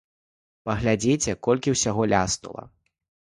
А паглядзіце, колькі ўсяго ляснула.